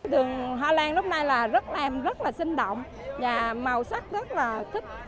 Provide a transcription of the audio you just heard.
đường hoa lan lúc này là rất em rất là sinh động và màu sắc rất là thích